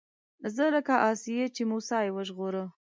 زه لکه آسيې چې موسی يې وژغوره